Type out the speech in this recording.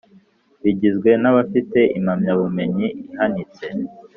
bigizwe n abafite impamyabumenyi ihanitse